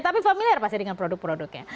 tapi familiar pasti dengan produk produknya